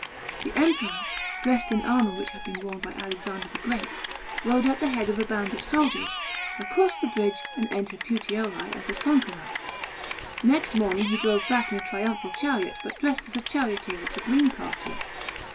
The Emp ror, dressed in armour which had been worn by Alexander the Great, rode at the head of a band of soldiers, across the bridge and entered Puteoli a < a conqueror. Next morning he drove back in a triumphal chariot but dressed as a charioteer of the green party.